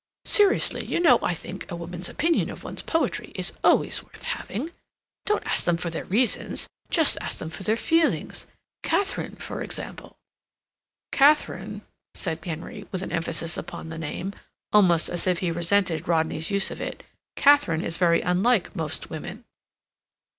Seriously, you know I think a woman's opinion of one's poetry is always worth having. Don't ask them for their reasons. Just ask them for their feelings. Katharine, for example—" "Katharine," said Henry, with an emphasis upon the name, almost as if he resented Rodney's use of it, "Katharine is very unlike most women."